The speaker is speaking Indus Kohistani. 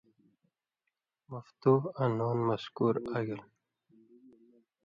مفتُوح آں نُون مکسُور آگل